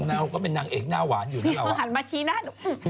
น๊าวก็เป็นนางเอกน่าหวานหันมาชี้หน้าหนู